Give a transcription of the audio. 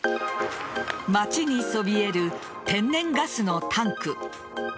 町にそびえる天然ガスのタンク。